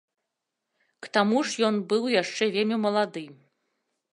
К таму ж ён быў яшчэ вельмі малады.